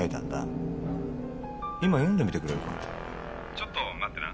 ☎ちょっと待ってな。